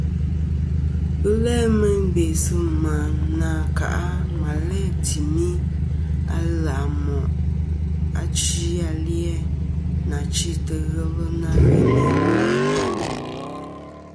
Ghɨ n-læ meyn bè sɨ̂ mà na ka mà læ̂ tìmi aleʼ à mòʼ achi a li-a, nà chîtɨ̀ ghelɨ na ghɨ ni iwo.